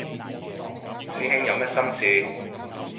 師兄有咩心事